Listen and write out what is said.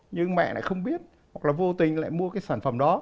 nhưng mẹ lại không biết hoặc là vô tình lại mua cái sản phẩm đó